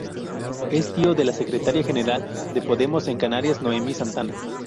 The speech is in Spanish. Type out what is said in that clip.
Es tío de la secretaria general de Podemos en Canarias Noemí Santana.